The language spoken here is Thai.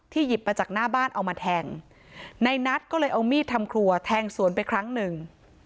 หยิบมาจากหน้าบ้านเอามาแทงในนัทก็เลยเอามีดทำครัวแทงสวนไปครั้งหนึ่ง